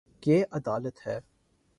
یے ادالت ہے